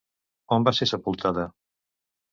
On va ser sepultada?